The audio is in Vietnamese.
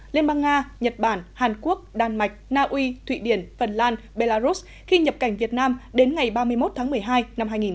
liên bang nga nhật bản hàn quốc đan mạch na uy thụy điển phần lan belarus khi nhập cảnh việt nam đến ngày ba mươi một tháng một mươi hai năm hai nghìn hai mươi